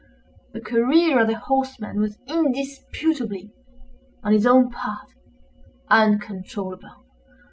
The career of the horseman was indisputably, on his own part, uncontrollable.